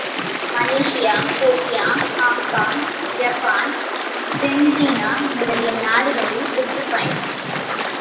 ● Malaysia, Korea, Hong Kong, Japan, செஞ்சீனா முதலிய நாடுகளில் சுற்றுப்பயணம்.